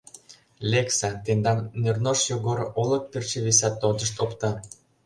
Лекса, тендам Нернош Йогор олым пырче виса тодышт опта...